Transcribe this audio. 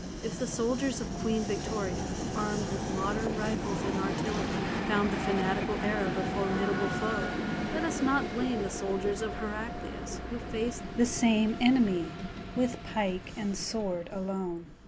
If the soldiers of Queen Victoria, armed with modern rifles and artillery, found the fanatical Arab a formidable foe, let us not blame the soldiers of Heraclius who faced the same enemy with pike and sword alone.